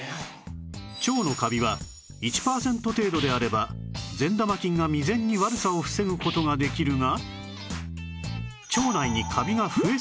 腸のカビは１パーセント程度であれば善玉菌が未然に悪さを防ぐ事ができるが